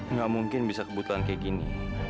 nggak mungkin bisa kebutuhan kayak gini